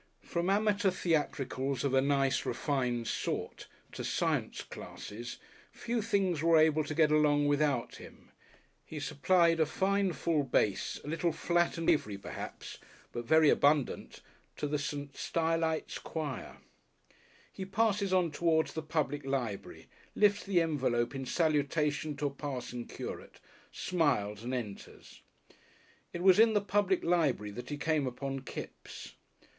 From amateur theatricals of a nice, refined sort to science classes, few things were able to get along without him. He supplied a fine, full bass, a little flat and quavery perhaps, but very abundant, to the St. Stylites' choir.... He passes on towards the Public Library, lifts the envelope in salutation to a passing curate, smiles and enters.... It was in the Public Library that he came upon Kipps.